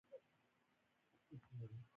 سم او پرځای وای.